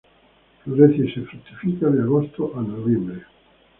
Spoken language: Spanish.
Florece y fructifica de agosto a noviembre.